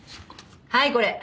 はいこれ。